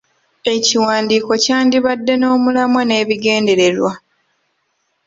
Ekiwandiiko kyandibadde n'omulamwa n'ebigendererwa.